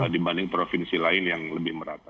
dibanding provinsi lain yang lebih merata